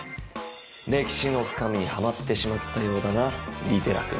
歴史の深みにはまってしまったようだな利寺君。